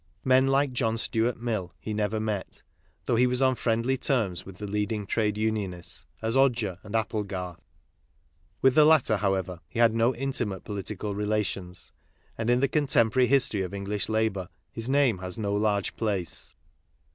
Men like John Stuart Mill he never met, though he was on friendly terms with the leading trade unionists as Odger and Applegarth. With the latter, however, he had no intimate political relations, and in the contemporary history of English labour, his name has no large place.